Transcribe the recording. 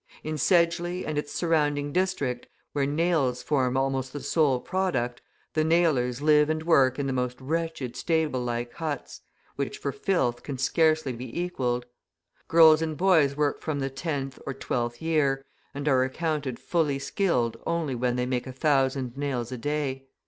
In Sedgeley and its surrounding district, where nails form almost the sole product, the nailers live and work in the most wretched stable like huts, which for filth can scarcely be equalled. Girls and boys work from the tenth or twelfth year, and are accounted fully skilled only when they make a thousand nails a day.